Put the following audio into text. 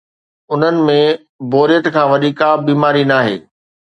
انهن ۾ بوريت کان وڏي ڪا به بيماري ناهي.